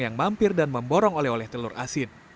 yang mampir dan memborong oleh oleh telur asin